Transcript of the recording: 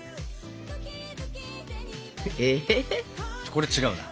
これ違うな。